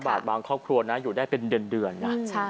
บาทบางครอบครัวนะอยู่ได้เป็นเดือนไง